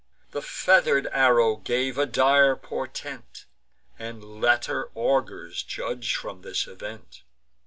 The feather'd arrow gave a dire portent, And latter augurs judge from this event.